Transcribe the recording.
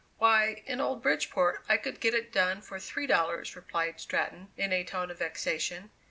Why, in old Bridgeport I could get it done for three dollars," replied Stratton, in a tone of vexation.